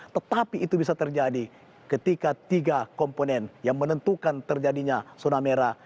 tetapi itu bisa terjadi ketika tiga komponen yang menentukan terjadinya zona merah